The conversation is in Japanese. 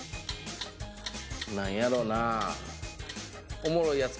何やろうな。